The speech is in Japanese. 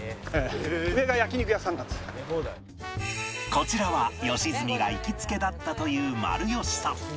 こちらは良純が行きつけだったというまるよしさん